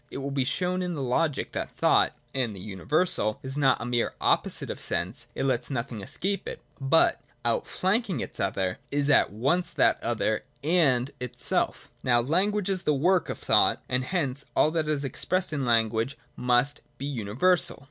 It will be shown in the Logic that thought (and the universal) is not a mere opposite of sense : it lets nothing escape it, but, outflanking its other, is at once that other and itself Now language is the work of thought : and hence all that is expressed in language must be uni versal.